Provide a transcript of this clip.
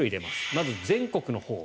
まず、全国のほう。